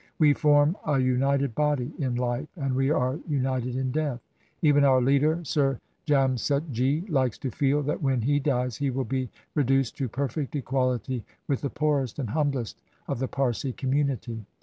We form a united body in Hfe, and we are united in death. Even our leader, Sir Jam setjee, likes to feel that when he dies he will be reduced 243 INDIA to perfect equality with the poorest and humblest of the Parsi community."